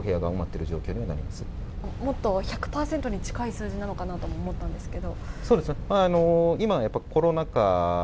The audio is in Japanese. もっと１００％に近い数字なのかなと思ったんですけど。